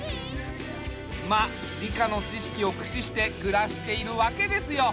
まあ理科のちしきをくししてくらしているわけですよ。